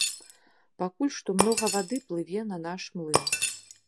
Пакуль што многа вады плыве на наш млын.